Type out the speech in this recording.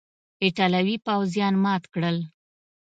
ایټالوي پوځیان مات کړل.